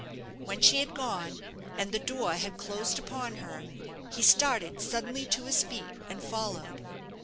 When she had gone, and the door had closed upon her, he started suddenly to his feet, and followed.